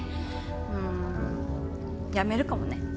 うーん辞めるかもね。